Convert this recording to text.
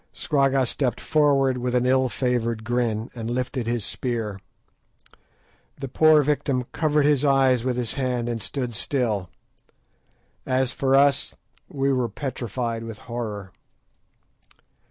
Scragga stepped forward with an ill favoured grin, and lifted his spear. The poor victim covered his eyes with his hand and stood still. As for us, we were petrified with horror.